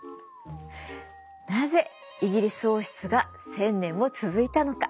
なぜイギリス王室が１，０００年も続いたのか。